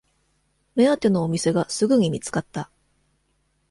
目当てのお店がすぐに見つかった